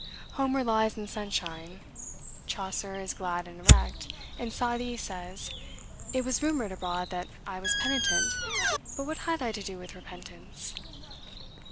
Homer lies in sunshine; Chaucer is glad and erect; and Saadi says, "It was rumored abroad that I was penitent; but what had I to do with repentance?"